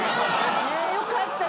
よかった。